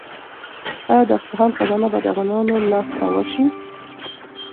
آیا د اصفهان خزانه به د افغانانو لاس ته ورشي؟